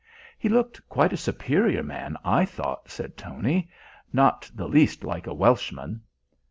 "He looked quite a superior man. I thought," said Tony. "Not the least like a Welshman."